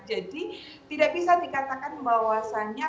jadi tidak bisa dikatakan bahwasanya